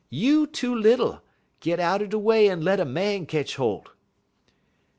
You too little! Git out de way, un let a man ketch holt.'